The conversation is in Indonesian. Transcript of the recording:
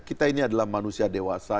kita ini adalah manusia dewasa